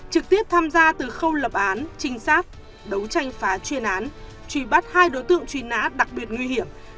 trực tiếp tham gia từ khâu lập án trinh sát đấu tranh phá chuyên án truy bắt hai đối tượng truy nã đặc biệt nguy hiểm